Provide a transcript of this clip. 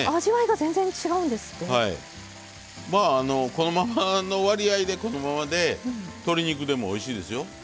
このままの割合でこのままで鶏肉でもおいしいですよ。